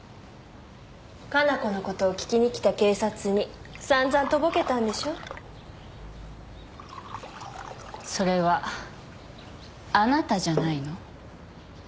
加奈子のことを聞きに来た警察にさんざんとぼけたんでしょうそれはあなたじゃないの？